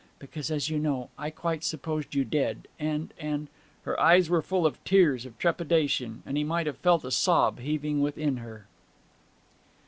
Because, as you know, I quite supposed you dead, and and ' Her eyes were full of tears of trepidation, and he might have felt a sob heaving within her.